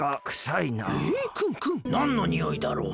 くんくんなんのにおいだろう？